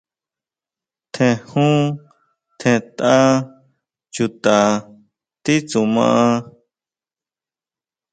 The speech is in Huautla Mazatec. Tjen jun, tjen tʼa chuta titsuma.